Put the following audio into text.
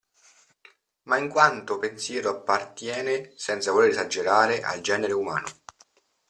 Ma in quanto pensiero appartiene, senza voler esagerare, al genere umano.